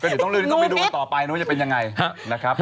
ก็เดี๋ยวต้องลืมต้องไปดูต่อไปก็จะเป็นยังไงนะครับ